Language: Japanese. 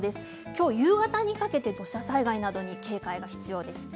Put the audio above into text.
きょう夕方にかけて土砂災害などに警戒が必要です。